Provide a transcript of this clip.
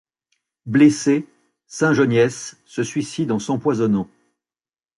Blessé, Saint-Geniès se suicide en s’empoisonnant.